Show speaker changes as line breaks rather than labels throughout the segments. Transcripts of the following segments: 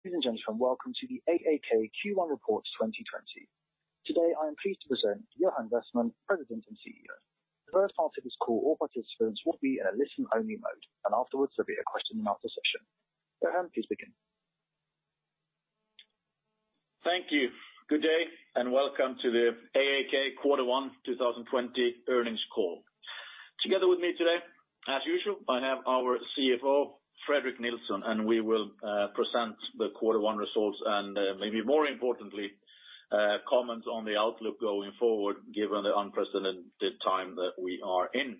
Ladies and gentlemen, welcome to the AAK Q1 Reports 2020. Today, I am pleased to present Johan Westman, President and CEO. The first part of this call, all participants will be in a listen-only mode, and afterwards there'll be a question-and-answer session. Johan, please begin.
Thank you. Good day, and welcome to the AAK quarter one 2020 earnings call. Together with me today, as usual, I have our CFO, Fredrik Nilsson, and we will present the quarter one results and maybe more importantly, comments on the outlook going forward, given the unprecedented time that we are in.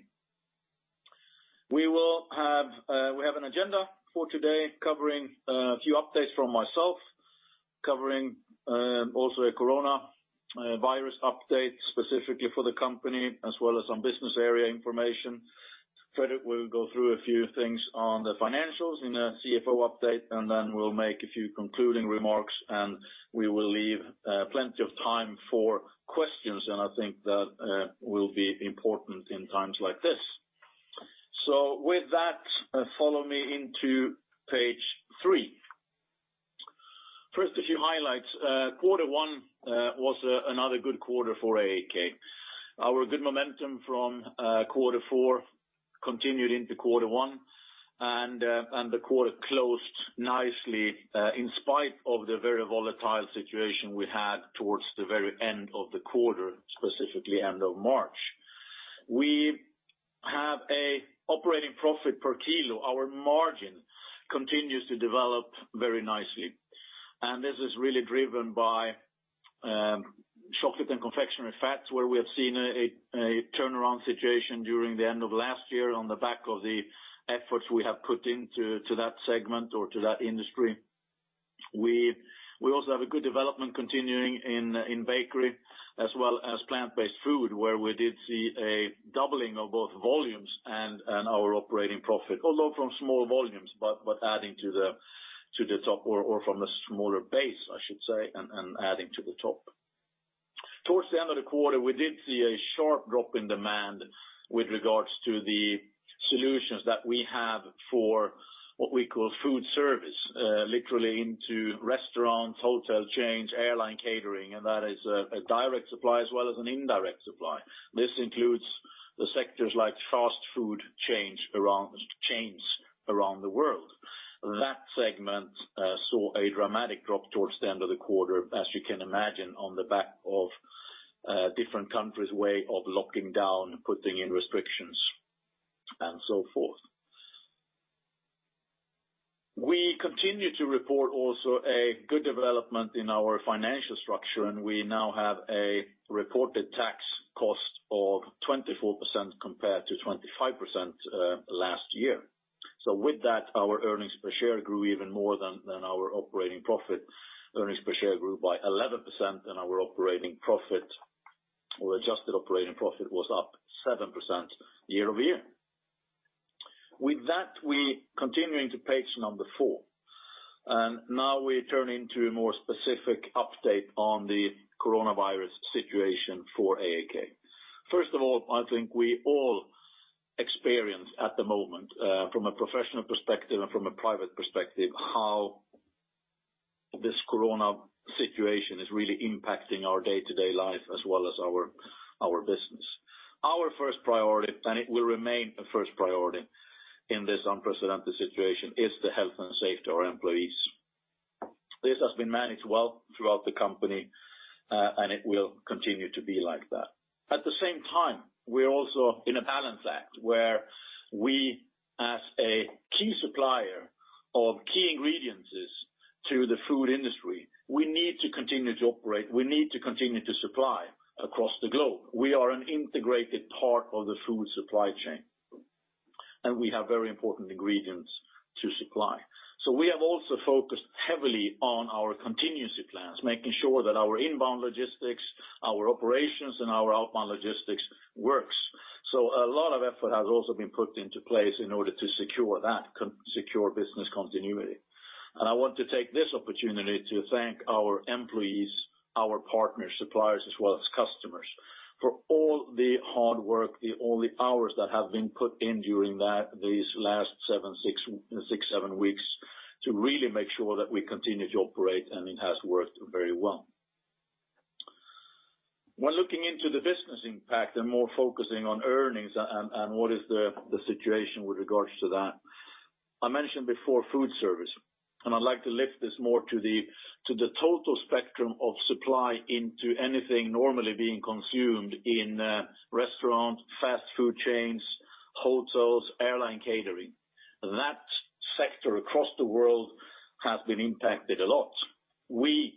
We have an agenda for today covering a few updates from myself, covering also a coronavirus update specifically for the company, as well as some business area information. Fredrik will go through a few things on the financials in a CFO update, and then we'll make a few concluding remarks, and we will leave plenty of time for questions, and I think that will be important in times like this. With that, follow me into page three. First, a few highlights. Quarter one was another good quarter for AAK. Our good momentum from quarter four continued into quarter one, and the quarter closed nicely in spite of the very volatile situation we had towards the very end of the quarter, specifically end of March. We have a operating profit per kilo. Our margin continues to develop very nicely, and this is really driven by Chocolate and Confectionery Fats, where we have seen a turnaround situation during the end of last year on the back of the efforts we have put into that segment or to that industry. We also have a good development continuing in bakery as well as plant-based food, where we did see a doubling of both volumes and our operating profit, although from small volumes, but adding to the top or from a smaller base, I should say, and adding to the top. Towards the end of the quarter, we did see a sharp drop in demand with regards to the solutions that we have for what we call food service, literally into restaurants, hotel chains, airline catering, and that is a direct supply as well as an indirect supply. This includes the sectors like fast food chains around the world. That segment saw a dramatic drop towards the end of the quarter, as you can imagine, on the back of different countries' way of locking down, putting in restrictions and so forth. We continue to report also a good development in our financial structure, and we now have a reported tax cost of 24% compared to 25% last year. With that, our earnings per share grew even more than our operating profit. Earnings per share grew by 11%, and our operating profit or adjusted operating profit was up 7% year-over-year. With that, we continue into page number four, and now we turn into a more specific update on the coronavirus situation for AAK. First of all, I think we all experience at the moment, from a professional perspective and from a private perspective, how this corona situation is really impacting our day-to-day life as well as our business. Our first priority, and it will remain a first priority in this unprecedented situation, is the health and safety of our employees. This has been managed well throughout the company, and it will continue to be like that. At the same time, we're also in a balance act where we, as a key supplier of key ingredients to the food industry, we need to continue to operate. We need to continue to supply across the globe. We are an integrated part of the food supply chain, and we have very important ingredients to supply. We have also focused heavily on our contingency plans, making sure that our inbound logistics, our operations, and our outbound logistics works. A lot of effort has also been put into place in order to secure business continuity. I want to take this opportunity to thank our employees, our partners, suppliers, as well as customers for all the hard work, all the hours that have been put in during these last six, seven weeks to really make sure that we continue to operate, and it has worked very well. When looking into the business impact and more focusing on earnings and what is the situation with regards to that, I mentioned before food service, and I'd like to lift this more to the total spectrum of supply into anything normally being consumed in restaurants, fast food chains, hotels, airline catering. That sector across the world has been impacted a lot. We,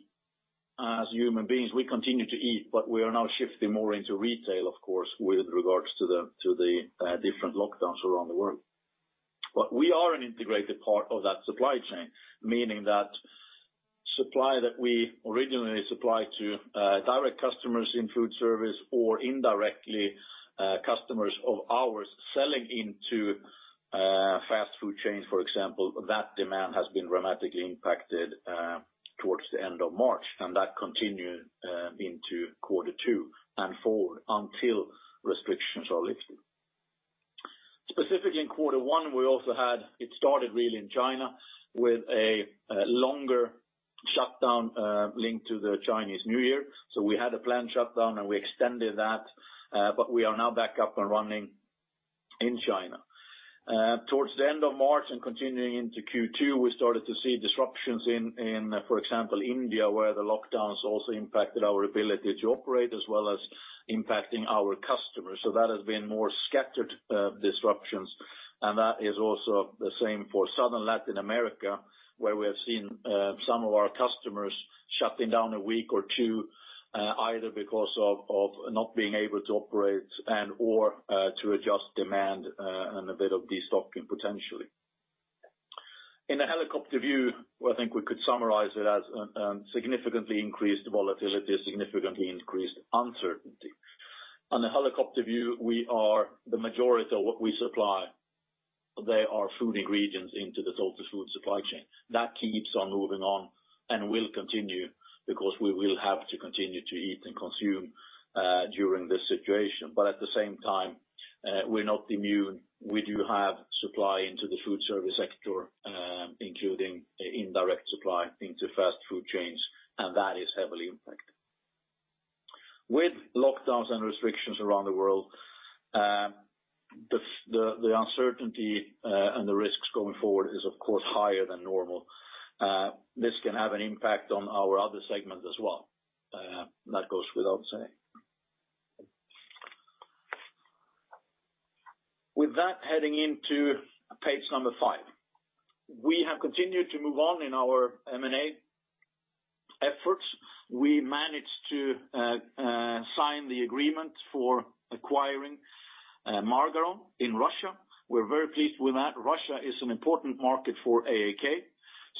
as human beings, we continue to eat, but we are now shifting more into retail, of course, with regards to the different lockdowns around the world. We are an integrated part of that supply chain, meaning that supply that we originally supplied to direct customers in food service or indirectly customers of ours selling into fast food chains, for example, that demand has been dramatically impacted towards the end of March, and that continued into quarter two and forward until restrictions are lifted. Specifically in quarter one, It started really in China with a longer shutdown linked to the Chinese New Year. We had a planned shutdown, and we extended that, but we are now back up and running in China. Towards the end of March and continuing into Q2, we started to see disruptions in, for example, India, where the lockdowns also impacted our ability to operate as well as impacting our customers. That has been more scattered disruptions, and that is also the same for Southern Latin America, where we have seen some of our customers shutting down a week or two, either because of not being able to operate and/or to adjust demand and a bit of destocking potentially. In a helicopter view, where I think we could summarize it as significantly increased volatility, significantly increased uncertainty. On the helicopter view, the majority of what we supply, they are Food Ingredients into the total food supply chain. That keeps on moving on and will continue because we will have to continue to eat and consume during this situation. At the same time, we're not immune. We do have supply into the food service sector, including indirect supply into fast food chains, and that is heavily impacted. With lockdowns and restrictions around the world, the uncertainty and the risks going forward is, of course, higher than normal. This can have an impact on our other segment as well. That goes without saying. With that, heading into page number five. We have continued to move on in our M&A efforts. We managed to sign the agreement for acquiring Margaron in Russia. We're very pleased with that. Russia is an important market for AAK,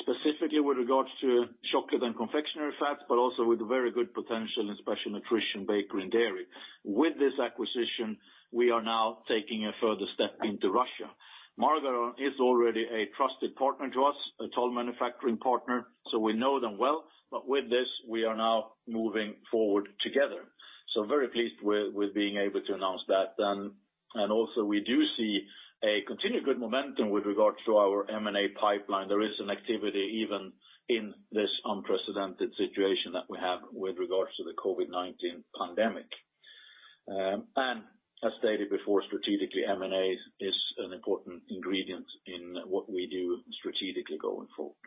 specifically with regards to Chocolate and Confectionery Fats, but also with very good potential in special nutrition, bakery, and dairy. With this acquisition, we are now taking a further step into Russia. Margaron is already a trusted partner to us, a total manufacturing partner, so we know them well. With this, we are now moving forward together. Very pleased with being able to announce that then. We do see a continued good momentum with regards to our M&A pipeline. There is an activity even in this unprecedented situation that we have with regards to the COVID-19 pandemic. As stated before, strategically, M&A is an important ingredient in what we do strategically going forward.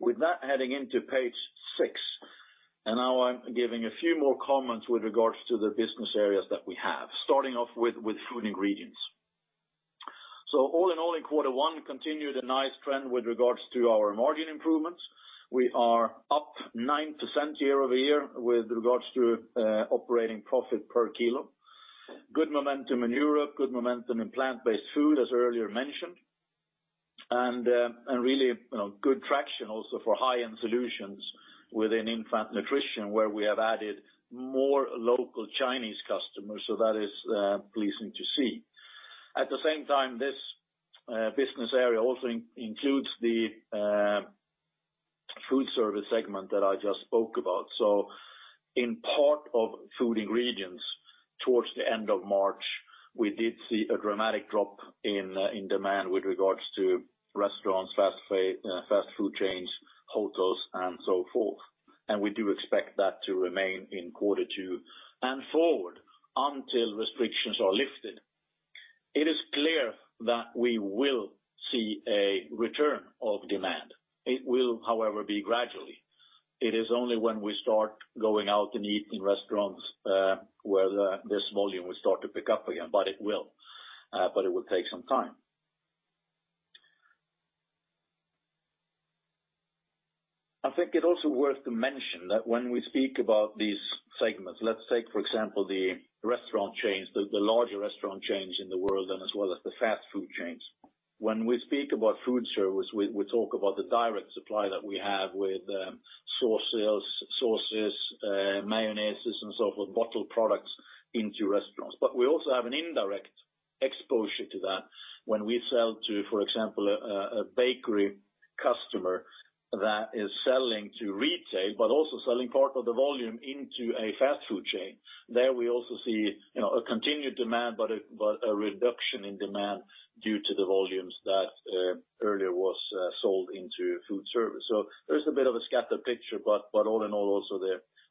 With that, heading into page six, I'm giving a few more comments with regards to the business areas that we have. Starting off with Food Ingredients. All in all, in quarter one, continued a nice trend with regards to our margin improvements. We are up 9% year-over-year with regards to operating profit per kilo. Good momentum in Europe, good momentum in plant-based food, as earlier mentioned, and really good traction also for high-end solutions within infant nutrition, where we have added more local Chinese customers. That is pleasing to see. At the same time, this business area also includes the food service segment that I just spoke about. In part of Food Ingredients, towards the end of March, we did see a dramatic drop in demand with regards to restaurants, fast food chains, hotels, and so forth. We do expect that to remain in quarter two and forward until restrictions are lifted. It is clear that we will see a return of demand. It will, however, be gradually. It is only when we start going out and eat in restaurants, where this volume will start to pick up again, but it will take some time. I think it also worth to mention that when we speak about these segments, let's take, for example, the restaurant chains, the larger restaurant chains in the world and as well as the fast food chains. When we speak about food service, we talk about the direct supply that we have with sauce sales, sauces, mayonnaises, and so forth, bottled products into restaurants. We also have an indirect exposure to that when we sell to, for example, a bakery customer that is selling to retail but also selling part of the volume into a fast food chain. There we also see a continued demand, but a reduction in demand due to the volumes that earlier was sold into food service. There's a bit of a scattered picture, but all in all, also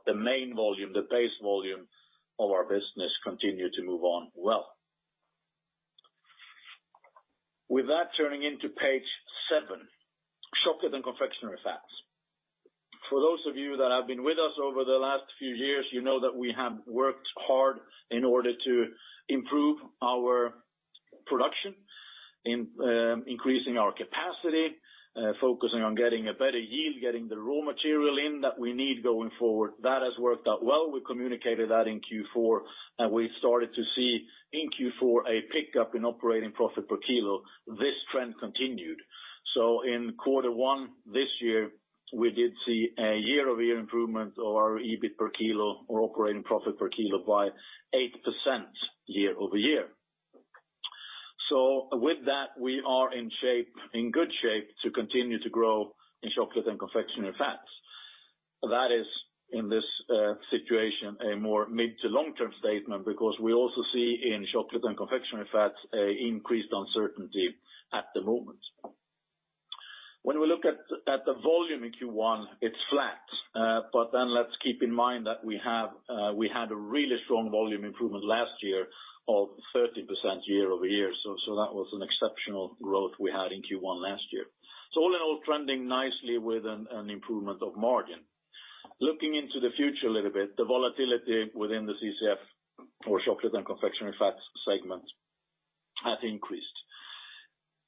the main volume, the base volume of our business continued to move on well. With that, turning into page seven, Chocolate and Confectionery Fats. For those of you that have been with us over the last few years, you know that we have worked hard in order to improve our production in increasing our capacity, focusing on getting a better yield, getting the raw material in that we need going forward. That has worked out well. We communicated that in Q4. We started to see in Q4 a pickup in operating profit per kilo. This trend continued. In quarter one this year, we did see a year-over-year improvement of our EBIT per kilo or operating profit per kilo by 8% year-over-year. With that, we are in good shape to continue to grow in Chocolate and Confectionery Fats. that is, in this situation, a more mid to long-term statement because we also see in Chocolate and Confectionery Fats increased uncertainty at the moment. When we look at the volume in Q1, it's flat. Let's keep in mind that we had a really strong volume improvement last year of 30% year-over-year. That was an exceptional growth we had in Q1 last year. Trending nicely with an improvement of margin. Looking into the future a little bit, the volatility within the CCF or Chocolate and Confectionery Fats segment has increased.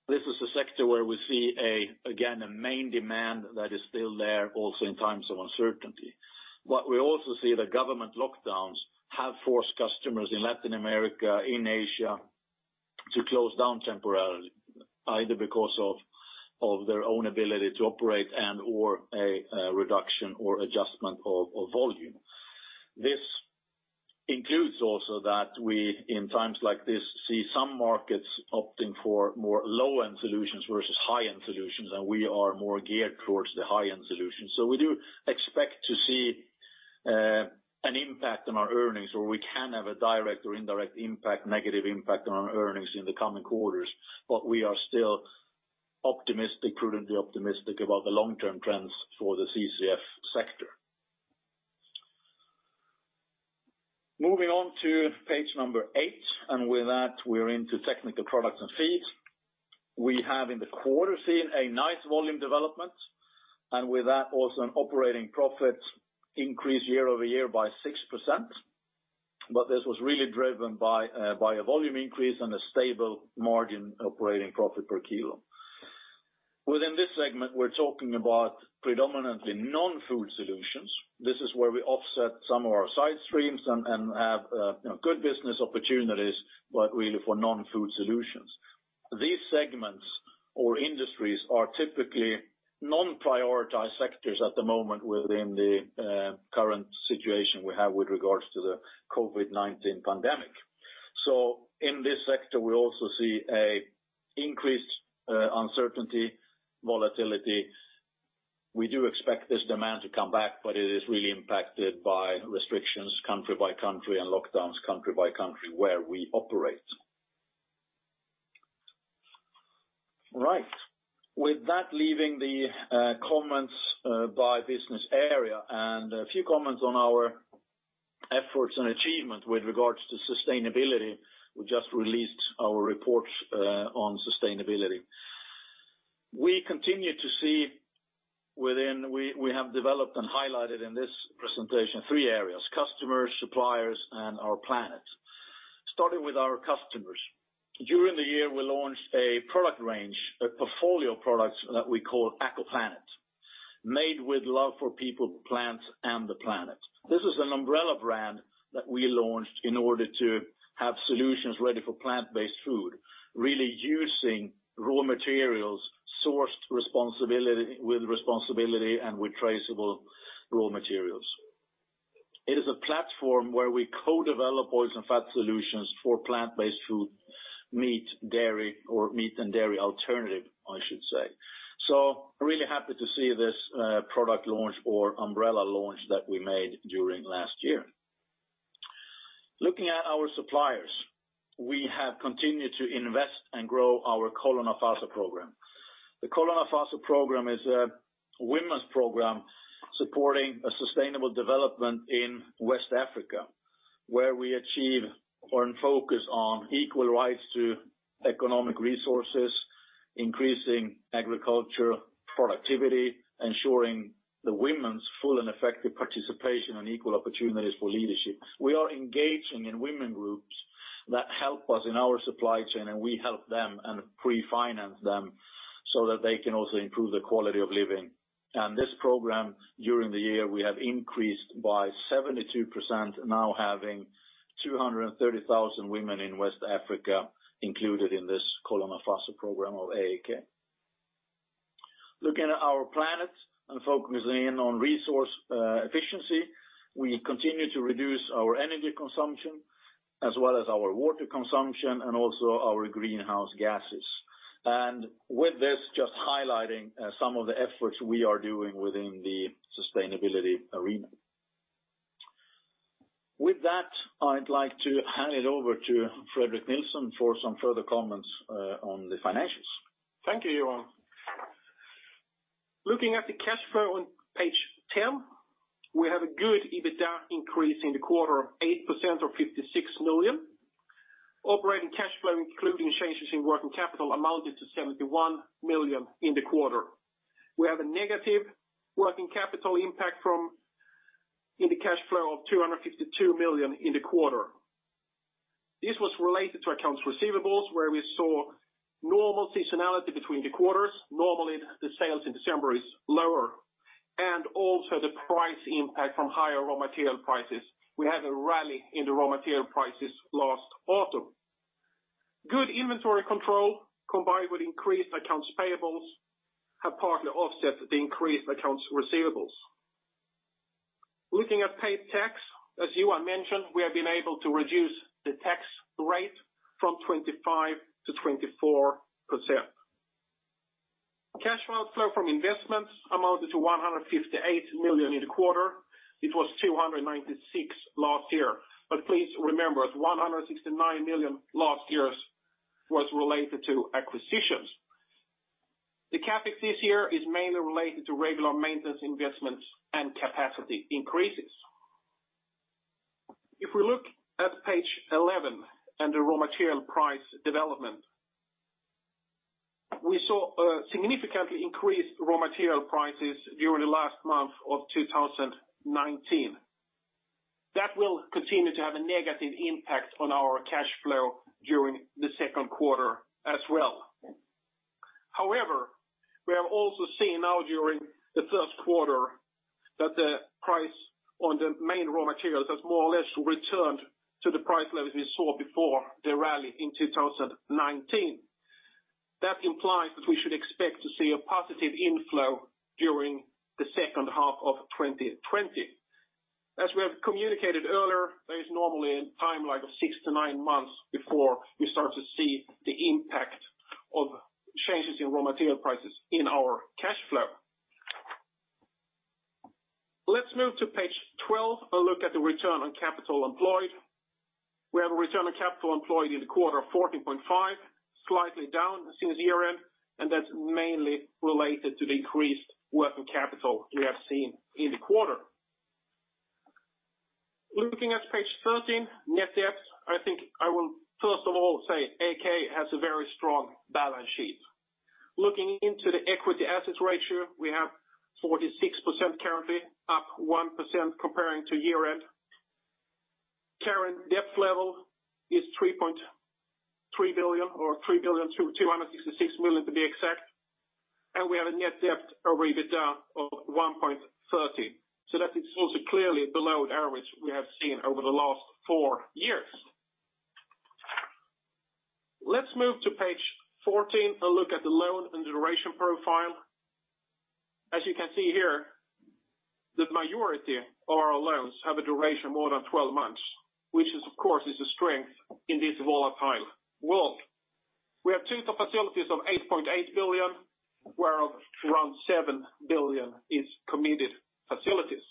This is a sector where we see, again, a main demand that is still there also in times of uncertainty. The government lockdowns have forced customers in Latin America, in Asia to close down temporarily, either because of their own ability to operate and/or a reduction or adjustment of volume. This includes also that we, in times like this, see some markets opting for more low-end solutions versus high-end solutions, and we are more geared towards the high-end solutions. We do expect to see an impact on our earnings, or we can have a direct or indirect impact, negative impact on our earnings in the coming quarters. We are still prudently optimistic about the long-term trends for the CCF sector. Moving on to page number eight, and with that, we're into Technical Products and Feed. We have in the quarter seen a nice volume development. With that, also an operating profit increase year-over-year by 6%. This was really driven by a volume increase and a stable margin operating profit per kilo. Within this segment, we're talking about predominantly non-food solutions. This is where we offset some of our side streams and have good business opportunities, but really for non-food solutions. These segments or industries are typically non-prioritized sectors at the moment within the current situation we have with regards to the COVID-19 pandemic. In this sector, we also see increased uncertainty, volatility. We do expect this demand to come back, but it is really impacted by restrictions country by country and lockdowns country by country where we operate. Right. With that, leaving the comments by business area and a few comments on our efforts and achievement with regards to sustainability, we just released our report on sustainability. We have developed and highlighted in this presentation three areas, customers, suppliers, and our planet. Starting with our customers. During the year, we launched a product range, a portfolio of products that we call AkoPlanet, made with love for people, plants, and the planet. This is an umbrella brand that we launched in order to have solutions ready for plant-based food, really using raw materials sourced with responsibility and with traceable raw materials. It is a platform where we co-develop oils and fat solutions for plant-based food, meat, dairy, or meat and dairy alternative, I should say. Really happy to see this product launch or umbrella launch that we made during last year. Looking at our suppliers, we have continued to invest and grow our Kolo Nafaso program. The Kolo Nafaso program is a women's program supporting a sustainable development in West Africa, where we achieve or focus on equal rights to economic resources, increasing agriculture productivity, ensuring the women's full and effective participation and equal opportunities for leadership. We are engaging in women groups that help us in our supply chain, we help them and pre-finance them so that they can also improve the quality of living. This program, during the year, we have increased by 72%, now having 230,000 women in West Africa included in this Kolo Nafaso program of AAK. Looking at our planet and focusing in on resource efficiency, we continue to reduce our energy consumption as well as our water consumption and also our greenhouse gases. With this, just highlighting some of the efforts we are doing within the sustainability arena. With that, I'd like to hand it over to Fredrik Nilsson for some further comments on the financials.
Thank you, Johan. Looking at the cash flow on page 10, we have a good EBITDA increase in the quarter of 8% or 56 million. Operating cash flow, including changes in working capital, amounted to 71 million in the quarter. We have a negative working capital impact in the cash flow of 252 million in the quarter. This was related to accounts receivables, where we saw normal seasonality between the quarters. Normally, the sales in December is lower, also the price impact from higher raw material prices. We had a rally in the raw material prices last autumn. Good inventory control combined with increased accounts payables have partly offset the increased accounts receivables. Looking at paid tax, as Johan mentioned, we have been able to reduce the tax rate from 25% to 24%. Cash flow from investments amounted to 158 million in the quarter. It was 296 million last year. Please remember, 169 million last year was related to acquisitions. The CapEx this year is mainly related to regular maintenance investments and capacity increases. If we look at page 11 and the raw material price development, we saw a significantly increased raw material prices during the last month of 2019. That will continue to have a negative impact on our cash flow during the second quarter as well. We have also seen now during the first quarter that the price on the main raw materials has more or less returned to the price levels we saw before the rally in 2019. That implies that we should expect to see a positive inflow during the second half of 2020. As we have communicated earlier, there is normally a timeline of six to nine months before we start to see the impact of changes in raw material prices in our cash flow. Let's move to page 12 and look at the return on capital employed. We have a return on capital employed in the quarter of 14.5, slightly down since year-end, and that's mainly related to the increased working capital we have seen in the quarter. Looking at page 13, net debt, I think I will first of all say AAK has a very strong balance sheet. Looking into the equity assets ratio, we have 46% currently, up 1% comparing to year-end. Current debt level is 3.3 billion or 3,266,000,000 to be exact. We have a net debt or EBITDA of 1.30. That is also clearly below the average we have seen over the last four years. Let's move to page 14 and look at the loan and duration profile. As you can see here, the majority of our loans have a duration more than 12 months, which of course, is a strength in this volatile world. We have two top facilities of 8.8 billion, whereof around 7 billion is committed facilities.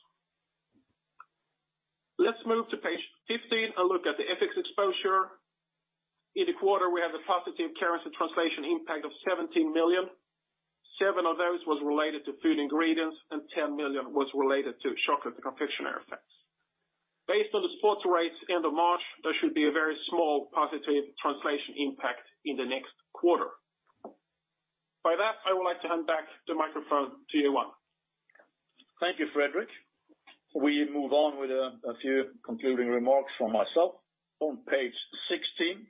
Let's move to page 15 and look at the FX exposure. In the quarter, we have a positive currency translation impact of 17 million. 7 million of those was related to Food Ingredients, and 10 million was related to Chocolate and Confectionery Fats. Based on the spot rates end of March, there should be a very small positive translation impact in the next quarter. By that, I would like to hand back the microphone to Johan.
Thank you, Fredrik. We move on with a few concluding remarks from myself on page 16.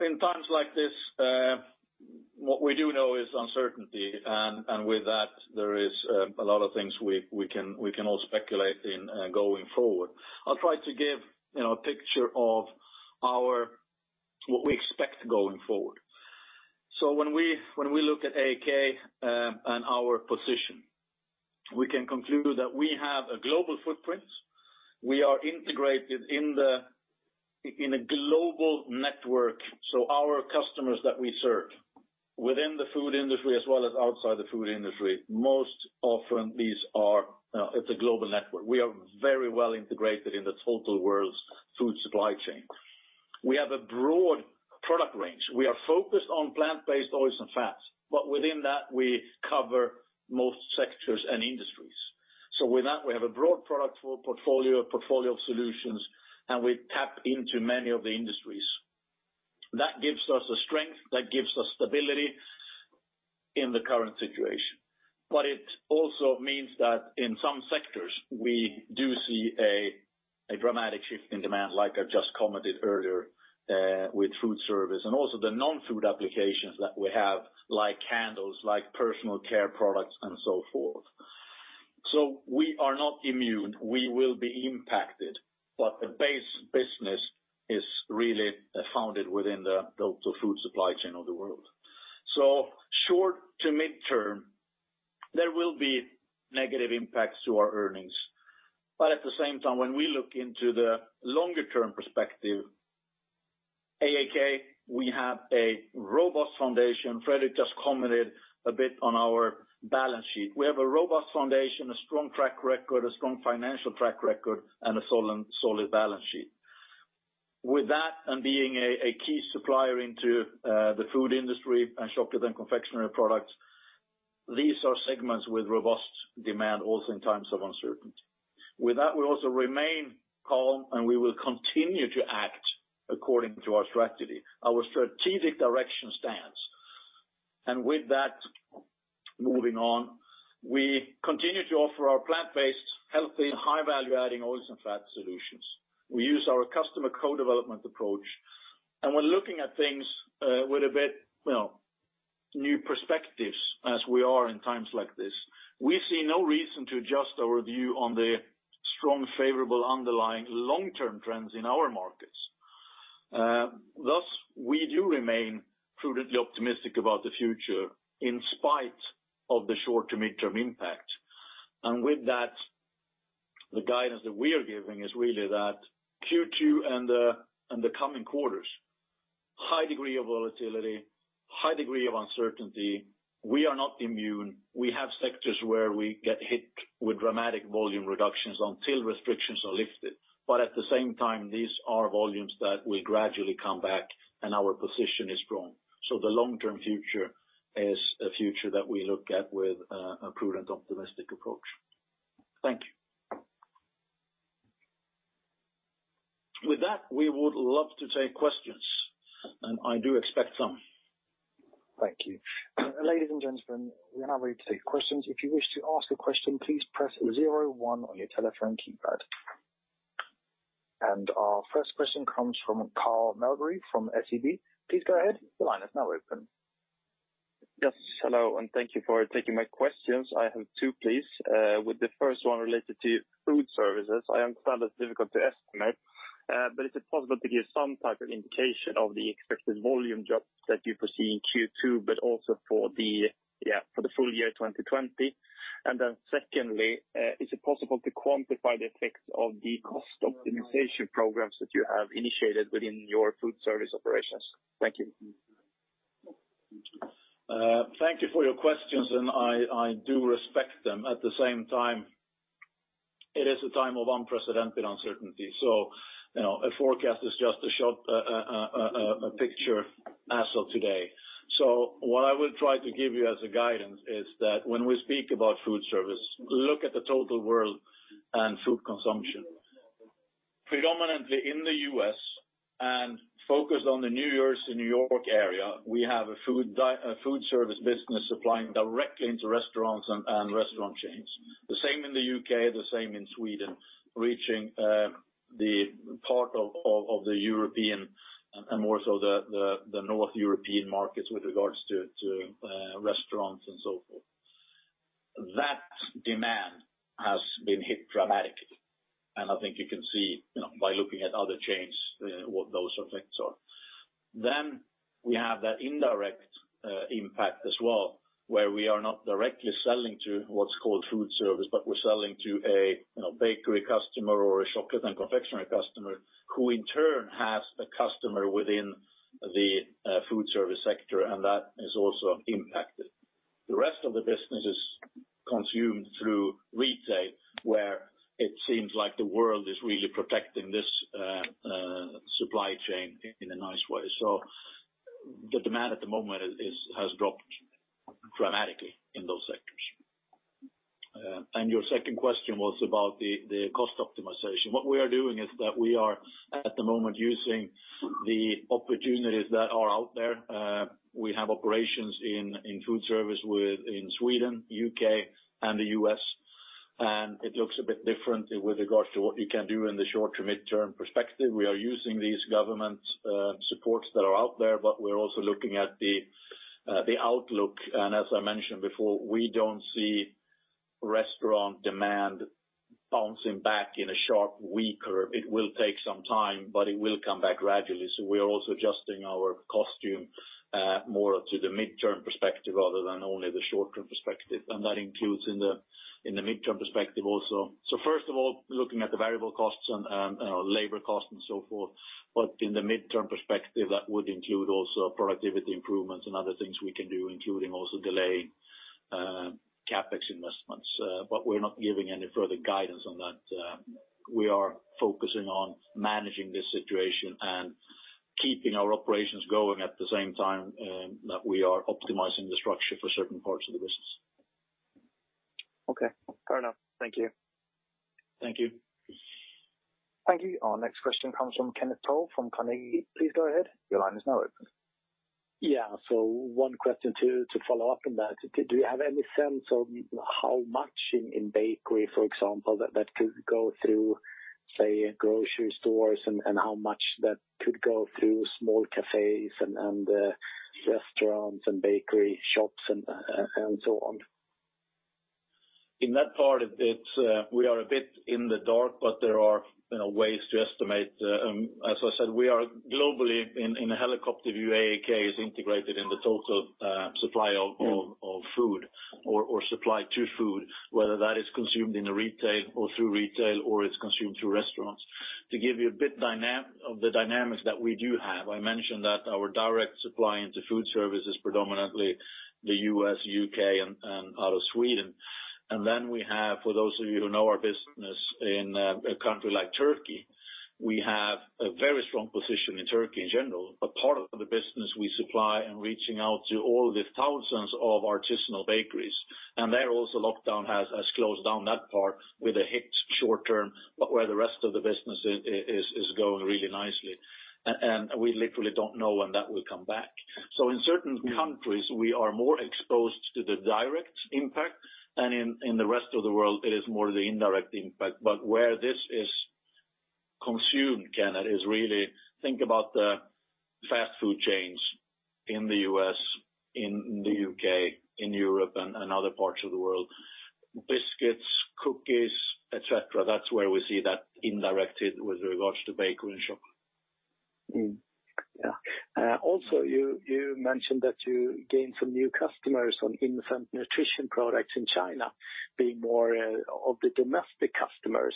In times like this, what we do know is uncertainty. With that, there is a lot of things we can all speculate in going forward. I'll try to give a picture of what we expect going forward. When we look at AAK and our position, we can conclude that we have a global footprint. We are integrated in a global network. Our customers that we serve within the food industry as well as outside the food industry, most often it's a global network. We are very well integrated in the total world's food supply chain. We have a broad product range. We are focused on plant-based oils and fats. Within that, we cover most sectors and industries. With that, we have a broad product portfolio of solutions, and we tap into many of the industries. That gives us a strength, that gives us stability in the current situation. It also means that in some sectors, we do see a dramatic shift in demand, like I've just commented earlier, with food service and also the non-food applications that we have, like candles, like personal care products and so forth. We are not immune. We will be impacted, but the base business is really founded within the global food supply chain of the world. Short to midterm, there will be negative impacts to our earnings. At the same time, when we look into the longer-term perspective, AAK, we have a robust foundation. Fredrik just commented a bit on our balance sheet. We have a robust foundation, a strong track record, a strong financial track record, and a solid balance sheet. With that and being a key supplier into the food industry and chocolate and confectionery products, these are segments with robust demand also in times of uncertainty. With that, we also remain calm, and we will continue to act according to our strategy. Our strategic direction stands. With that, moving on, we continue to offer our plant-based, healthy, high-value adding oils and fat solutions. We use our customer co-development approach, and we're looking at things with a bit new perspectives as we are in times like this. We see no reason to adjust our view on the strong, favorable, underlying long-term trends in our markets. Thus, we do remain prudently optimistic about the future in spite of the short to midterm impact. The guidance that we are giving is really that Q2 and the coming quarters, high degree of volatility, high degree of uncertainty. We are not immune. We have sectors where we get hit with dramatic volume reductions until restrictions are lifted. At the same time, these are volumes that will gradually come back and our position is strong. The long-term future is a future that we look at with a prudent, optimistic approach. Thank you. With that, we would love to take questions, and I do expect some.
Thank you. Ladies and gentlemen, we are now ready to take questions. If you wish to ask a question, please press zero one on your telephone keypad. Our first question comes from Carl Fredrik from SEB. Please go ahead. The line is now open.
Yes. Hello, thank you for taking my questions. I have two, please. The first one related to food services. I understand it is difficult to estimate, but is it possible to give some type of indication of the expected volume drop that you foresee in Q2, but also for the full year 2020? Secondly, is it possible to quantify the effects of the cost optimization programs that you have initiated within your food service operations? Thank you.
Thank you for your questions. I do respect them. At the same time, it is a time of unprecedented uncertainty. A forecast is just a picture as of today. What I will try to give you as a guidance is that when we speak about food service, look at the total world and food consumption. Predominantly in the U.S. and focused on the New York area, we have a food service business supplying directly into restaurants and restaurant chains. The same in the U.K., the same in Sweden, reaching the part of the European and more so the North European markets with regards to restaurants and so forth. That demand has been hit dramatically, and I think you can see by looking at other chains what those effects are. We have that indirect impact as well, where we are not directly selling to what's called food service, but we're selling to a bakery customer or a chocolate and confectionery customer who in turn has a customer within the food service sector, and that is also impacted. The rest of the business is consumed through retail, where it seems like the world is really protecting this supply chain in a nice way. The demand at the moment has dropped dramatically in those sectors. Your second question was about the cost optimization. What we are doing is that we are at the moment using the opportunities that are out there. We have operations in food service in Sweden, U.K., and the U.S., and it looks a bit different with regards to what you can do in the short to midterm perspective. We are using these government supports that are out there, but we're also looking at the outlook. As I mentioned before, we don't see restaurant demand bouncing back in a sharp V-curve. It will take some time, but it will come back gradually. We are also adjusting our cost structure more to the midterm perspective rather than only the short term perspective. That includes in the midterm perspective also. First of all, looking at the variable costs and labor costs and so forth, but in the midterm perspective, that would include also productivity improvements and other things we can do, including also delaying CapEx investments. We're not giving any further guidance on that. We are focusing on managing this situation and keeping our operations going at the same time that we are optimizing the structure for certain parts of the business.
Okay. Fair enough. Thank you.
Thank you.
Thank you. Our next question comes from Kenneth Toll from Carnegie. Please go ahead. Your line is now open.
Yeah. One question to follow up on that. Do you have any sense of how much in bakery, for example, that could go through, say, grocery stores and how much that could go through small cafes and restaurants and bakery shops and so on?
In that part, we are a bit in the dark, but there are ways to estimate. As I said, we are globally in a helicopter view. AAK is integrated in the total supply of food or supply to food, whether that is consumed in a retail or through retail or is consumed through restaurants. To give you a bit of the dynamics that we do have, I mentioned that our direct supply into food service is predominantly the U.S., U.K., and out of Sweden. Then we have, for those of you who know our business in a country like Turkey, we have a very strong position in Turkey in general. A part of the business we supply and reaching out to all the thousands of artisanal bakeries. There also lockdown has closed down that part with a hit short term, but where the rest of the business is going really nicely. We literally don't know when that will come back. In certain countries, we are more exposed to the direct impact, and in the rest of the world, it is more the indirect impact. Where this is consumed, Kenneth, is really think about the fast food chains in the U.S., in the U.K., in Europe, and other parts of the world. Biscuits, cookies, et cetera. That's where we see that indirectly with regards to bakery and shop
Yeah. You mentioned that you gained some new customers on infant nutrition products in China being more of the domestic customers.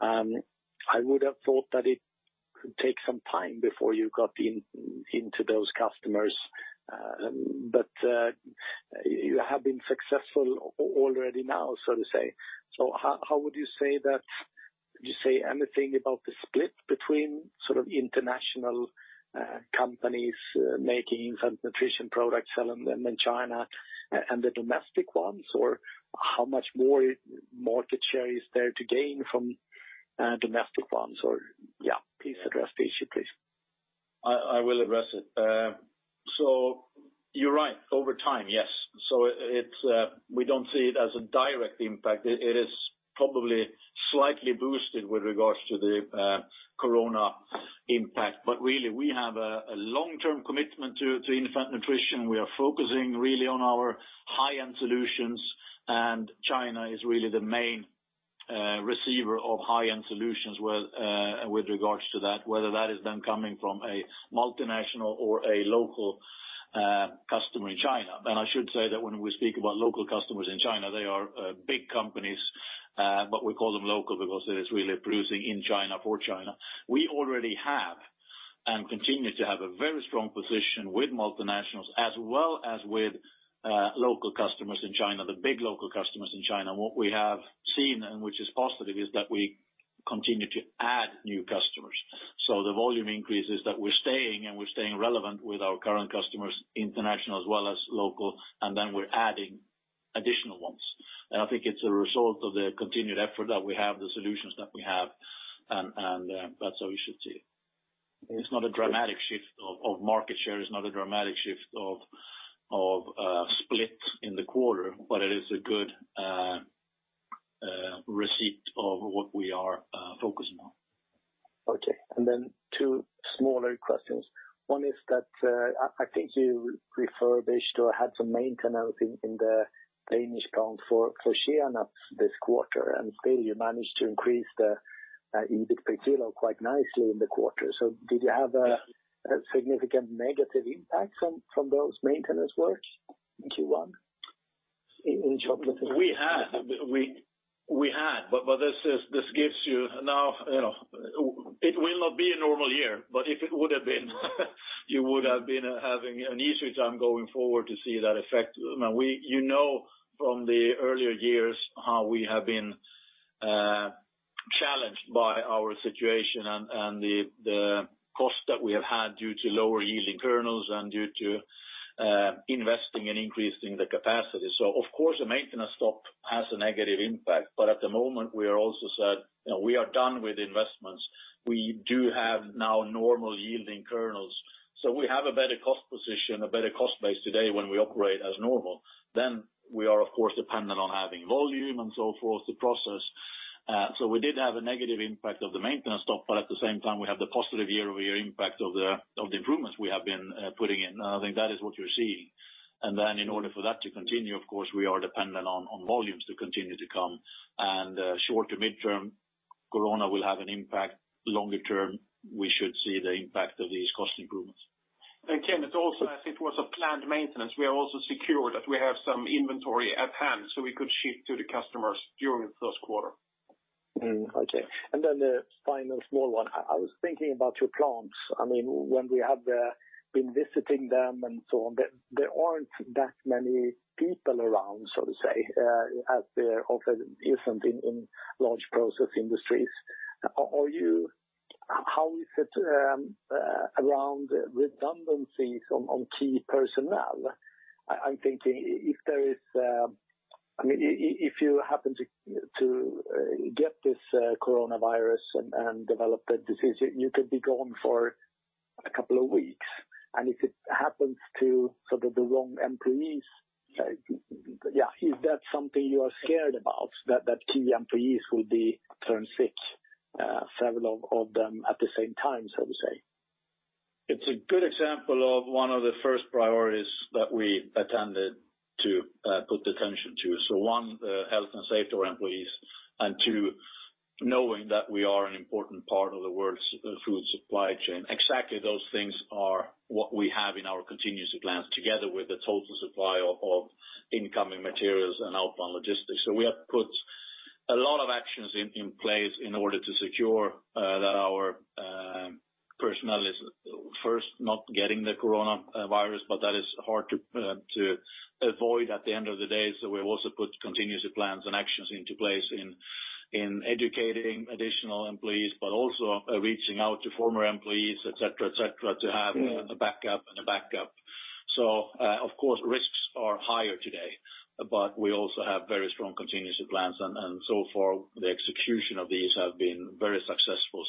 I would have thought that it could take some time before you got into those customers. You have been successful already now, so to say. How would you say anything about the split between international companies making infant nutrition products selling them in China and the domestic ones? How much more market share is there to gain from domestic ones? Yeah, please address the issue, please.
I will address it. You're right, over time, yes. We don't see it as a direct impact. It is probably slightly boosted with regards to the corona impact. Really, we have a long-term commitment to infant nutrition. We are focusing really on our high-end solutions, and China is really the main receiver of high-end solutions with regards to that, whether that is then coming from a multinational or a local customer in China. I should say that when we speak about local customers in China, they are big companies, but we call them local because it is really producing in China, for China. We already have, and continue to have a very strong position with multinationals as well as with local customers in China, the big local customers in China. What we have seen, and which is positive, is that we continue to add new customers. The volume increase is that we're staying and we're staying relevant with our current customers, international as well as local, and then we're adding additional ones. I think it's a result of the continued effort that we have, the solutions that we have, and that's how we should see it. It's not a dramatic shift of market share. It's not a dramatic shift of split in the quarter, but it is a good receipt of what we are focusing on.
Okay. Two smaller questions. One is that, I think you refurbished or had some maintenance in the Danish plant for shea this quarter, still you managed to increase the EBITDA quite nicely in the quarter. Did you have a significant negative impact from those maintenance works in Q1, in chocolate?
We had. It will not be a normal year, but if it would have been you would have been having an easier time going forward to see that effect. You know from the earlier years how we have been challenged by our situation and the cost that we have had due to lower yielding kernels and due to investing and increasing the capacity. Of course, a maintenance stop has a negative impact. At the moment, we are also set, we are done with investments. We do have now normal yielding kernels. We have a better cost position, a better cost base today when we operate as normal. We are, of course, dependent on having volume and so forth to process. We did have a negative impact of the maintenance stop, but at the same time, we have the positive year-over-year impact of the improvements we have been putting in. I think that is what you're seeing. In order for that to continue, of course, we are dependent on volumes to continue to come. Short to midterm, corona will have an impact. Longer term, we should see the impact of these cost improvements.
Kenneth, also, as it was a planned maintenance, we are also secure that we have some inventory at hand, so we could ship to the customers during the first quarter.
Okay. The final small one. I was thinking about your plants. When we have been visiting them and so on, there aren't that many people around, so to say, as there often isn't in large process industries. How is it around redundancies on key personnel? I'm thinking if you happen to get this COVID-19 and develop the disease, you could be gone for a couple of weeks. If it happens to the wrong employees, is that something you are scared about, that key employees will be turned sick, several of them at the same time, so to say?
It's a good example of one of the first priorities that we attended to put attention to. One, health and safety of our employees, and two, knowing that we are an important part of the world's food supply chain. Exactly those things are what we have in our contingency plans, together with the total supply of incoming materials and outbound logistics. We have put a lot of actions in place in order to secure that our personnel is first not getting the coronavirus, but that is hard to avoid at the end of the day. We have also put contingency plans and actions into place in educating additional employees, but also reaching out to former employees, et cetera, to have a backup. Of course, risks are higher today, but we also have very strong contingency plans, and so far, the execution of these have been very successful.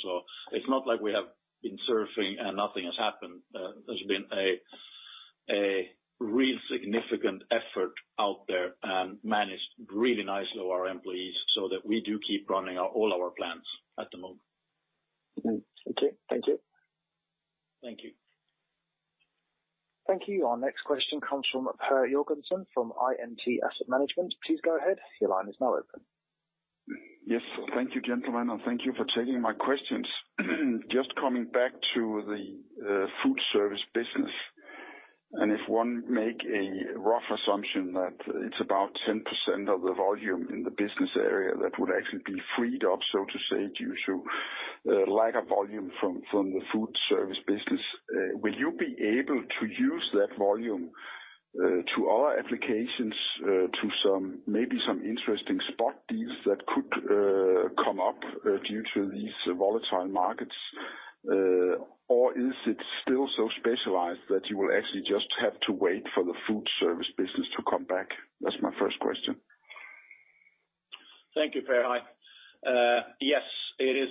It's not like we have been surfing and nothing has happened. There's been a real significant effort out there and managed really nicely our employees so that we do keep running all our plants at the moment.
Okay. Thank you.
Thank you.
Thank you. Our next question comes from Per Jørgensen from I&T Asset Management. Please go ahead. Your line is now open.
Yes. Thank you, gentlemen, and thank you for taking my questions. Just coming back to the food service business, and if one make a rough assumption that it's about 10% of the volume in the business area that would actually be freed up, so to say, due to lack of volume from the food service business, will you be able to use that volume to other applications, to maybe some interesting spot deals that could come up due to these volatile markets? Or is it still so specialized that you will actually just have to wait for the food service business to come back? That's my first question.
Thank you, Per. Hi. Yes, it is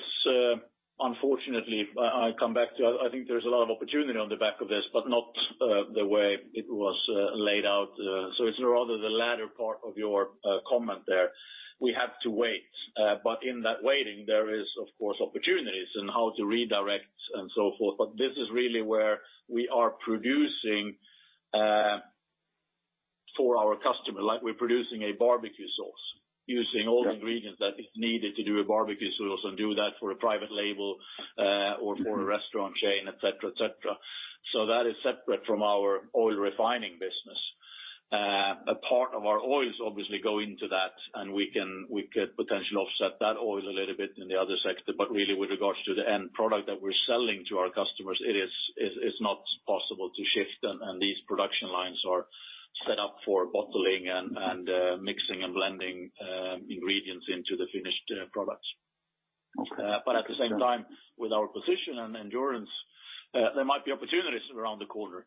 unfortunately, I think there's a lot of opportunity on the back of this, but not the way it was laid out. It's rather the latter part of your comment there. We have to wait. In that waiting, there is of course, opportunities and how to redirect and so forth. This is really where we are producing for our customer. Like, we're producing a barbecue sauce using all the ingredients that is needed to do a barbecue sauce and do that for a private label or for a restaurant chain, et cetera. That is separate from our oil refining business. A part of our oils obviously go into that, and we could potentially offset that oil a little bit in the other sector. Really with regards to the end product that we're selling to our customers, it is not possible to shift, and these production lines are set up for bottling and mixing and blending ingredients into the finished products.
Okay.
At the same time, with our position and endurance, there might be opportunities around the corner.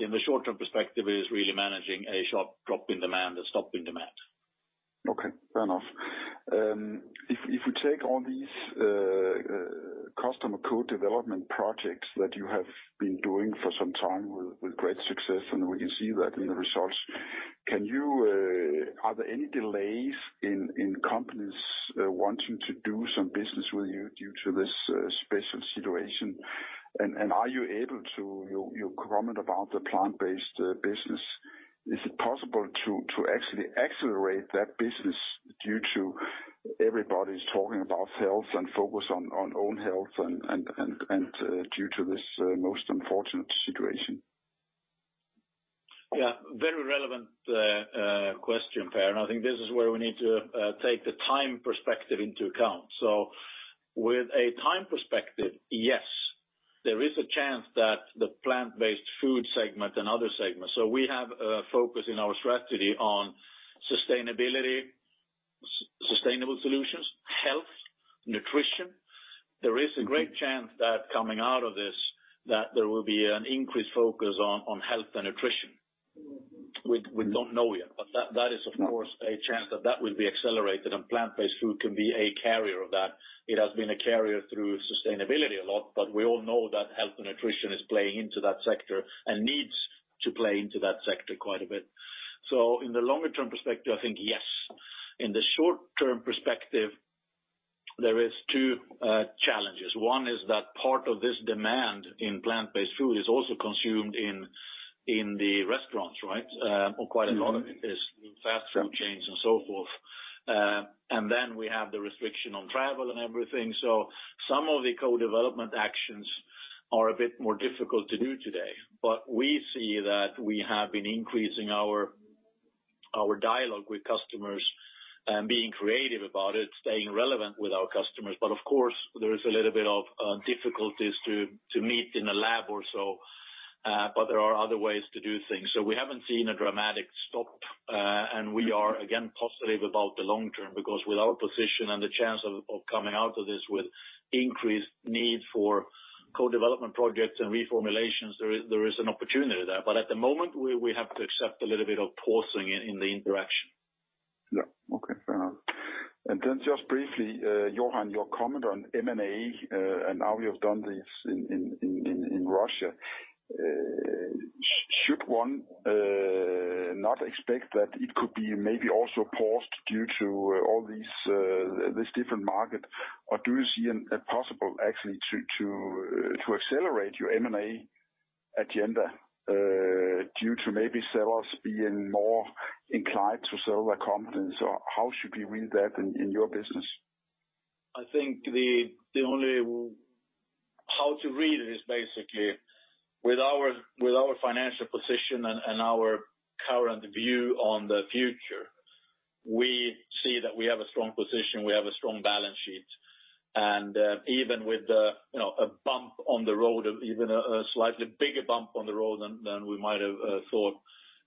In the short-term perspective, it is really managing a sharp drop in demand, a stop in demand.
Okay. Fair enough. If we take all these customer co-development projects that you have been doing for some time with great success. We can see that in the results. Are there any delays in companies wanting to do some business with you due to this special situation? Is it possible to actually accelerate that business due to everybody's talking about health and focus on own health and due to this most unfortunate situation?
Very relevant question, Per. I think this is where we need to take the time perspective into account. With a time perspective, yes, there is a chance that the plant-based food segment and other segments. We have a focus in our strategy on sustainability, sustainable solutions, health, nutrition. There is a great chance that coming out of this, that there will be an increased focus on health and nutrition. We don't know yet, that is of course, a chance that that will be accelerated and plant-based food can be a carrier of that. It has been a carrier through sustainability a lot, we all know that health and nutrition is playing into that sector and needs to play into that sector quite a bit. In the longer term perspective, I think, yes. In the short-term perspective, there is two challenges. One is that part of this demand in plant-based food is also consumed in the restaurants, right? Quite a lot of it is fast food chains and so forth. We have the restriction on travel and everything. Some of the co-development actions are a bit more difficult to do today. We see that we have been increasing our dialogue with customers and being creative about it, staying relevant with our customers. Of course, there is a little bit of difficulties to meet in a lab or so. There are other ways to do things. We haven't seen a dramatic stop. We are, again, positive about the long term because with our position and the chance of coming out of this with increased need for co-development projects and reformulations, there is an opportunity there. At the moment, we have to accept a little bit of pausing in the interaction.
Yeah. Okay, fair enough. Just briefly, Johan, your comment on M&A, and now you've done this in Russia. Should one not expect that it could be maybe also paused due to all these different market? Do you see it possible actually to accelerate your M&A agenda due to maybe sellers being more inclined to sell their companies, or how should we read that in your business?
I think how to read it is basically with our financial position and our current view on the future, we see that we have a strong position, we have a strong balance sheet. Even with a bump on the road or even a slightly bigger bump on the road than we might have thought,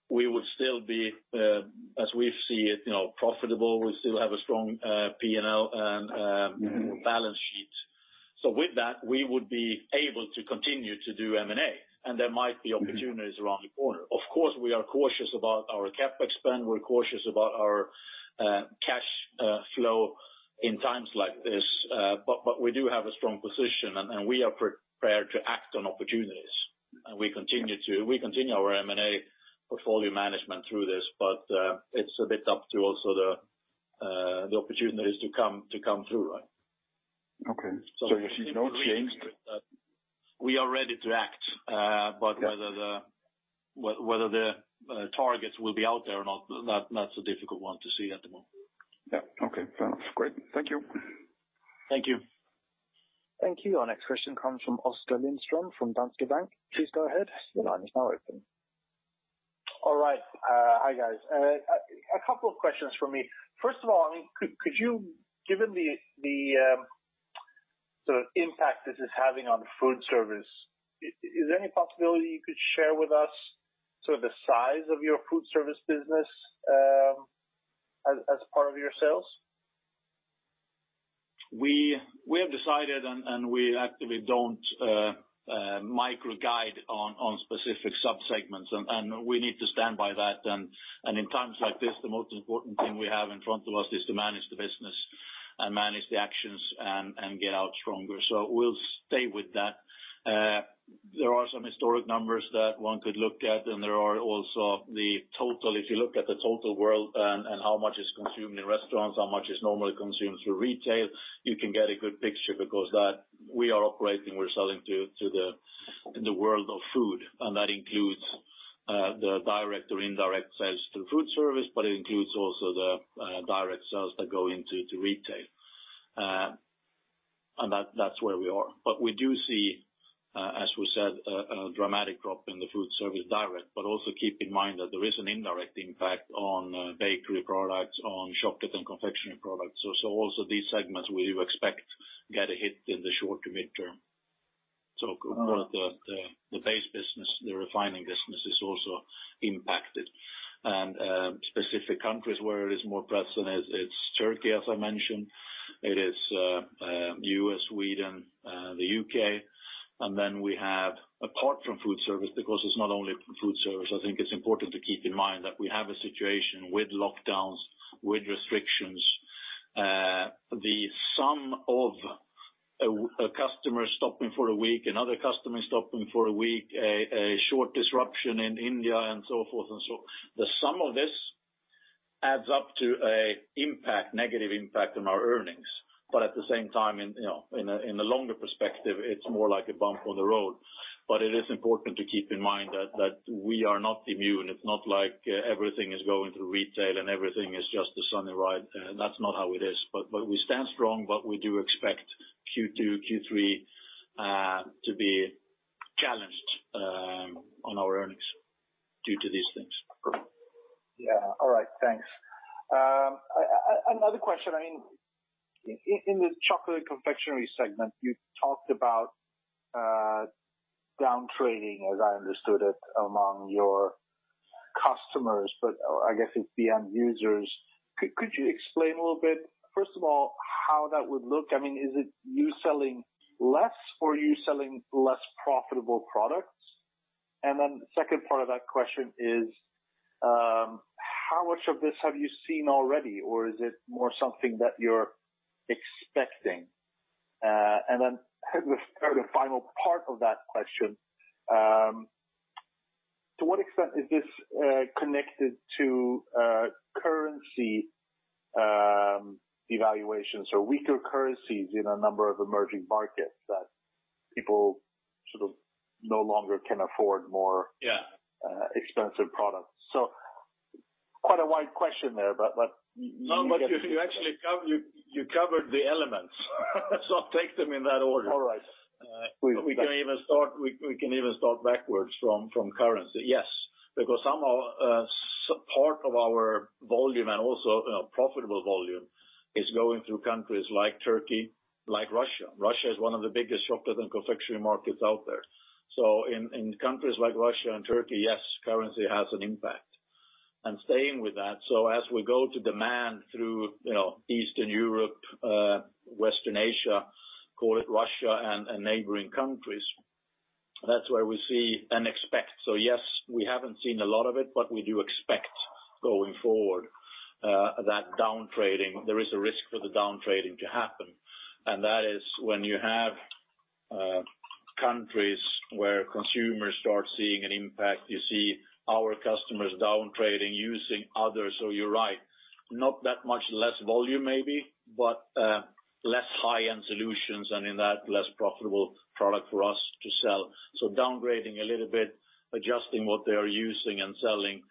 we would still be, as we see it, profitable. We still have a strong P&L and balance sheet. With that, we would be able to continue to do M&A, and there might be opportunities around the corner. Of course, we are cautious about our CapEx spend, we're cautious about our cash flow in times like this. We do have a strong position, and we are prepared to act on opportunities. We continue volume management through this, but it's a bit up to also the opportunities to come through, right?
Okay. You see no change?
We are ready to.
Yeah
Whether the targets will be out there or not, that's a difficult one to see at the moment.
Yeah. Okay. Fair enough. Great. Thank you.
Thank you.
Thank you. Our next question comes from Oskar Lindström from Danske Bank. Please go ahead. Your line is now open.
All right. Hi, guys. A couple of questions from me. First of all, could you, given the impact this is having on food service, is there any possibility you could share with us the size of your food service business as part of your sales?
We have decided, and we actively don't micro-guide on specific sub-segments, and we need to stand by that. In times like this, the most important thing we have in front of us is to manage the business and manage the actions and get out stronger. We'll stay with that. There are some historic numbers that one could look at, and there are also the total. If you look at the total world and how much is consumed in restaurants, how much is normally consumed through retail, you can get a good picture, because that we are operating, we're selling in the world of food, and that includes the direct or indirect sales to food service, but it includes also the direct sales that go into retail. That's where we are. We do see, as we said, a dramatic drop in the food service direct, but also keep in mind that there is an indirect impact on bakery products, on Chocolate and Confectionery products. Also these segments we do expect get a hit in the short to mid-term. The base business, the refining business, is also impacted. Specific countries where it is more present, it's Turkey, as I mentioned. It is U.S., Sweden, the U.K. Then we have, apart from food service, because it's not only food service, I think it's important to keep in mind that we have a situation with lockdowns, with restrictions. The sum of a customer stopping for a week, another customer stopping for a week, a short disruption in India and so forth and so on. The sum of this adds up to a negative impact on our earnings. At the same time, in a longer perspective, it's more like a bump on the road. It is important to keep in mind that we are not immune. It's not like everything is going through retail and everything is just a sunny ride. That's not how it is. We stand strong, but we do expect Q2, Q3 to be challenged on our earnings due to these things.
Yeah. All right. Thanks. Another question. In the Chocolate Confectionery segment, you talked about downtrading, as I understood it, among your customers, but I guess it's the end users. Could you explain a little bit, first of all, how that would look? Is it you selling less or you selling less profitable products? Then the second part of that question is, how much of this have you seen already or is it more something that you're expecting? Then the final part of that question, to what extent is this connected to currency evaluations or weaker currencies in a number of emerging markets that people no longer can afford more.
Yeah
expensive products? Quite a wide question there.
No, you actually covered the elements, I'll take them in that order.
All right.
We can even start backwards from currency. Yes, because some part of our volume and also profitable volume is going through countries like Turkey, like Russia. Russia is one of the biggest chocolate and confectionery markets out there. In countries like Russia and Turkey, yes, currency has an impact. Staying with that, so as we go to demand through Eastern Europe, Western Asia, call it Russia and neighboring countries, that's where we see and expect. Yes, we haven't seen a lot of it, but we do expect going forward that downtrading. There is a risk for the downtrading to happen. That is when you have countries where consumers start seeing an impact. You see our customers downtrading using others. You're right. Not that much less volume maybe, but less high-end solutions and in that less profitable product for us to sell. Downgrading a little bit, adjusting what they are using and selling.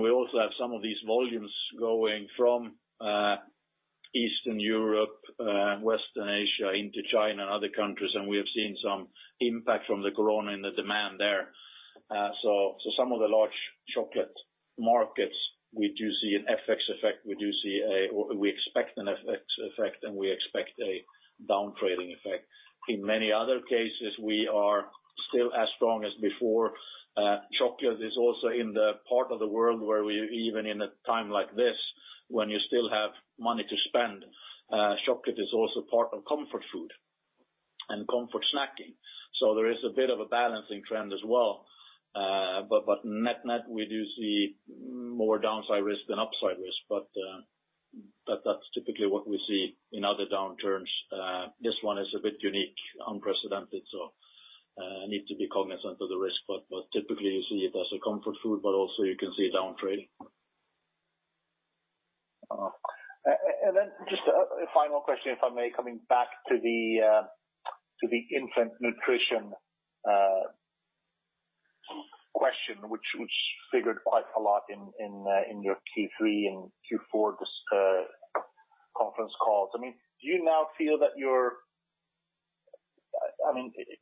We also have some of these volumes going from Eastern Europe, Western Asia into China and other countries, and we have seen some impact from the COVID-19 in the demand there. Some of the large chocolate markets, we do see an FX effect. We expect an FX effect, and we expect a downtrading effect. In many other cases, we are still as strong as before. Chocolate is also in the part of the world where we even in a time like this, when you still have money to spend, chocolate is also part of comfort food and comfort snacking. There is a bit of a balancing trend as well. Net, we do see more downside risk than upside risk. That's typically what we see in other downturns. This one is a bit unique, unprecedented, so need to be cognizant of the risk. Typically, you see it as a comfort food, but also you can see a downtrend.
Just a final question, if I may, coming back to the infant nutrition question, which figured quite a lot in your Q3 and Q4 conference calls.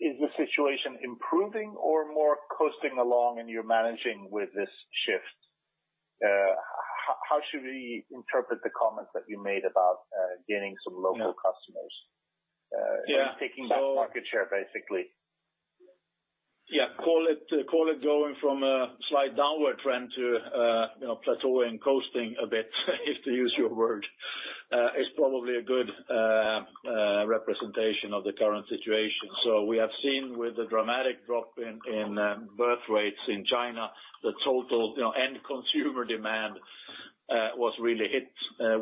Is the situation improving or more coasting along and you're managing with this shift? How should we interpret the comments that you made about gaining some local customers?
Yeah.
Just taking back market share, basically.
Yeah. Call it going from a slight downward trend to plateauing, coasting a bit, if to use your word, is probably a good representation of the current situation. We have seen with the dramatic drop in birth rates in China, the total end consumer demand was really hit.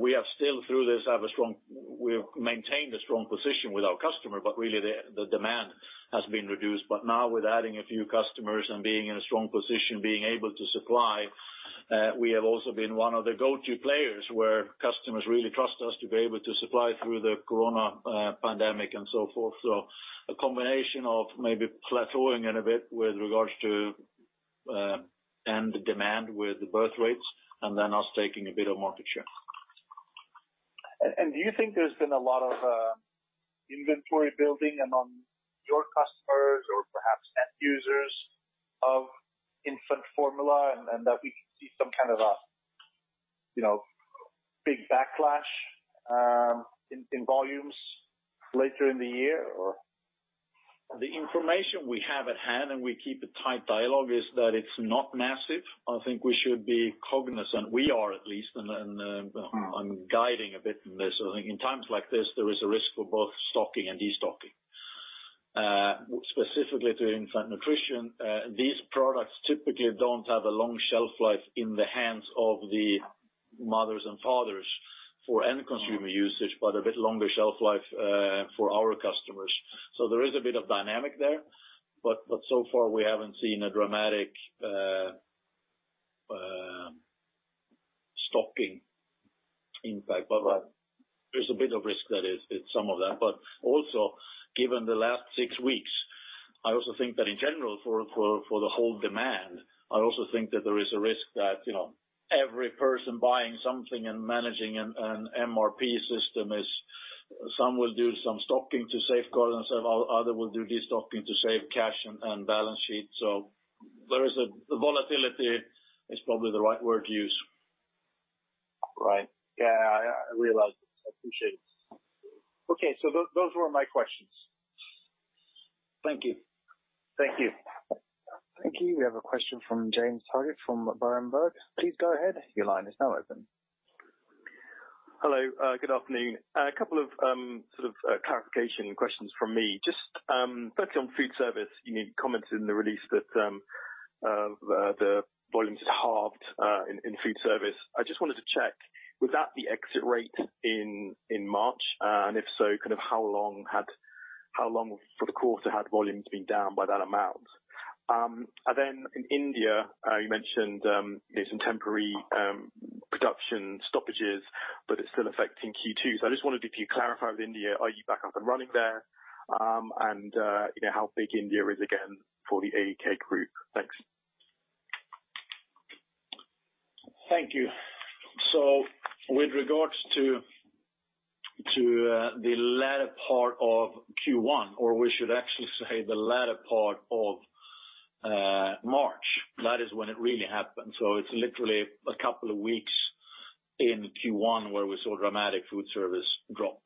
We have still through this, we've maintained a strong position with our customer, but really the demand has been reduced. Now with adding a few customers and being in a strong position, being able to supply, we have also been one of the go-to players where customers really trust us to be able to supply through the corona pandemic and so forth. A combination of maybe plateauing it a bit with regards to end demand with the birth rates, and then us taking a bit of market share.
Do you think there's been a lot of inventory building among your customers or perhaps end users of infant formula, and that we can see some kind of a big backlash in volumes later in the year, or?
The information we have at hand, and we keep a tight dialogue, is that it's not massive. I think we should be cognizant. We are at least, and I'm guiding a bit in this. I think in times like this, there is a risk for both stocking and de-stocking. Specifically to infant nutrition, these products typically don't have a long shelf life in the hands of the mothers and fathers for end consumer usage, but a bit longer shelf life for our customers. There is a bit of dynamic there, but so far we haven't seen a dramatic stocking impact. There's a bit of risk that it's some of that. Also, given the last six weeks, I also think that in general, for the whole demand, I also think that there is a risk that every person buying something and managing an MRP system, some will do some stocking to safeguard themselves, other will do de-stocking to save cash and balance sheet. Volatility is probably the right word to use.
Right. Yeah, I realize. I appreciate it. Okay. Those were my questions.
Thank you.
Thank you.
Thank you. We have a question from James Targett from Berenberg. Please go ahead. Your line is now open.
Hello, good afternoon. A couple of sort of clarification questions from me. Just focusing on food service, you commented in the release that the volumes had halved in food service. I just wanted to check, was that the exit rate in March? If so, how long for the quarter had volumes been down by that amount? In India, you mentioned there's some temporary production stoppages, but it's still affecting Q2. I just wondered if you clarify with India, are you back up and running there? How big India is again for the AAK group? Thanks.
Thank you. With regards to the latter part of Q1, or we should actually say the latter part of March, that is when it really happened. It's literally a couple of weeks in Q1 where we saw dramatic food service drop.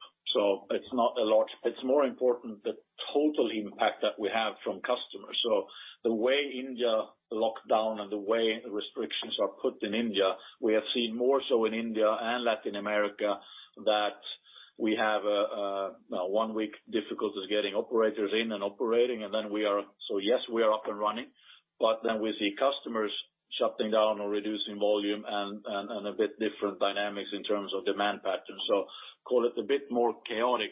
It's not a lot. It's more important the total impact that we have from customers. The way India locked down and the way restrictions are put in India, we have seen more so in India and Latin America that we have a one-week difficulties getting operators in and operating. Yes, we are up and running, we see customers shutting down or reducing volume and a bit different dynamics in terms of demand pattern. Call it a bit more chaotic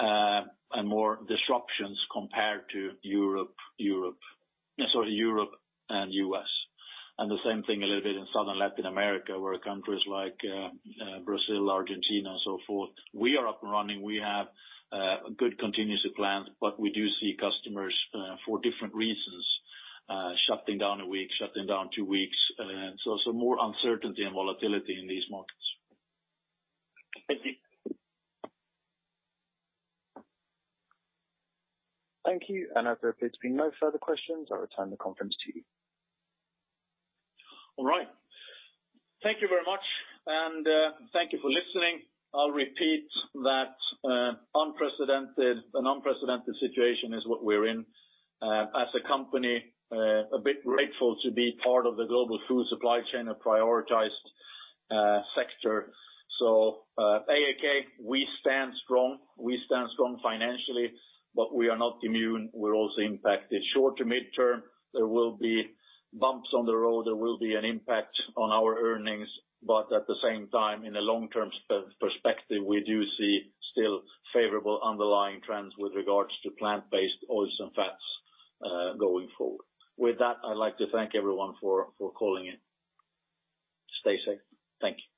and more disruptions compared to Europe and U.S. The same thing a little bit in Southern Latin America, where countries like Brazil, Argentina, and so forth, we are up and running. We have good continuous plant, but we do see customers for different reasons shutting down a week, shutting down two weeks. Some more uncertainty and volatility in these markets.
Thank you.
Thank you. If there appears to be no further questions, I'll return the conference to you.
All right. Thank you very much, and thank you for listening. I'll repeat that an unprecedented situation is what we're in. As a company, we are a bit grateful to be part of the global food supply chain, a prioritized sector. AAK, we stand strong financially, but we are not immune. We're also impacted. Short to mid-term, there will be bumps on the road. There will be an impact on our earnings, but at the same time, in a long-term perspective, we do see still favorable underlying trends with regards to plant-based oils and fats going forward. With that, I'd like to thank everyone for calling in. Stay safe. Thank you.